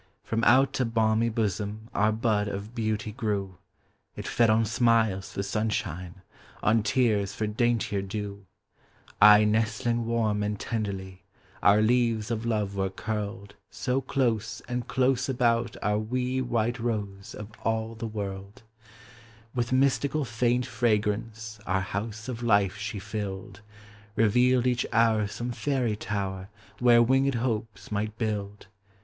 From out a balmy bosom Our bud of beauty grew ; It fed on smiles for suushine, On tears for daintier clew: Aye nestling warm and tenderly, Our leaves of love were curled So close and close about our wee White Kose of all the world. Digitized by Google ABOUT CHILDREN. 05 With mistical faint fragrance Our house of life .she filled; Kevealed each hour some fairv tower Where winged hopes might build!